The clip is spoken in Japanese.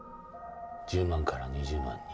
１０万から２０万人。